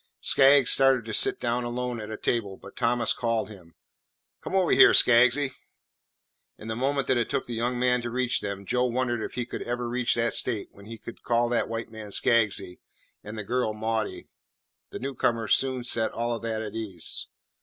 Skaggs started to sit down alone at a table, but Thomas called him, "Come over here, Skaggsy." In the moment that it took the young man to reach them, Joe wondered if he would ever reach that state when he could call that white man Skaggsy and the girl Maudie. The new comer soon set all of that at ease.